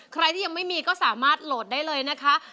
ใครที่ยังไม่มีก็สามารถโหลดได้เลยนะคะ